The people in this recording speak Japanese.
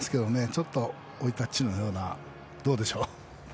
ちょっと追いタッチのようなどうでしょう。